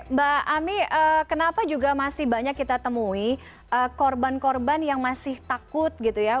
mbak ami kenapa juga masih banyak kita temui korban korban yang masih takut gitu ya